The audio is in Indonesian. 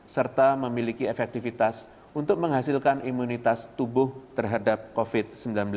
serta memiliki efektivitas untuk menghasilkan imunitas tubuh terhadap covid sembilan belas